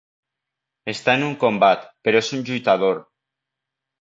Està en un combat, però és un lluitador.